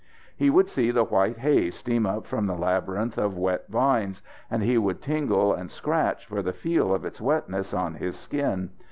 He would see the white haze steam up from the labyrinth of wet vines, and he would tingle and scratch for the feel of its wetness on his skin.